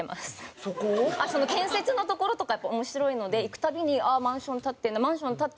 建設のところとか面白いので行くたびに「ああマンション建ってるなマンション建った！」